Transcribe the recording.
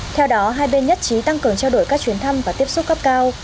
theo đó hai bên nhất trí tăng cường trao đổi các chuyến thăm và tiếp xúc cấp cao